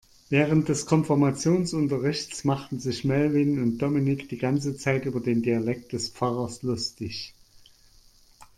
Während des Konfirmationsunterrichts machten sich Melvin und Dominik die ganze Zeit über den Dialekt des Pfarrers lustig.